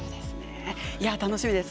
楽しみです。